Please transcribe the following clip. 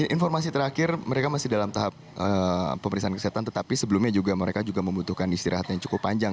informasi terakhir mereka masih dalam tahap pemeriksaan kesehatan tetapi sebelumnya juga mereka juga membutuhkan istirahat yang cukup panjang